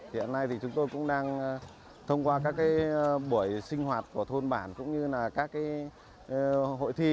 hiện nay thì chúng tôi cũng đang thông qua các buổi sinh hoạt của thôn bản cũng như là các hội thi